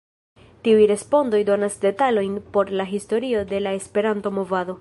Tiuj respondoj donas detalojn por la historio de la Esperanto-movado.